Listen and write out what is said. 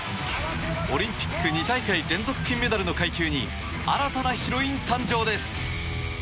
オリンピック２大会連続金メダルの階級に新たなヒロイン誕生です。